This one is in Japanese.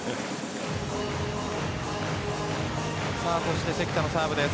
そして関田のサーブです。